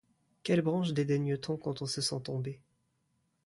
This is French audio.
Quelle branche dédaigne-t-on quand on se sent tomber?